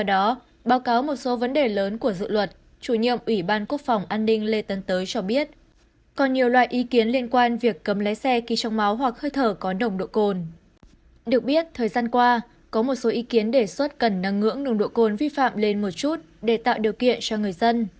được biết thời gian qua có một số ý kiến đề xuất cần nâng ngưỡng nồng độ cồn vi phạm lên một chút để tạo điều kiện cho người dân